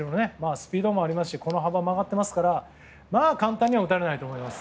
スピードもありますしこのぐらい曲がってますから簡単には打たれないと思います。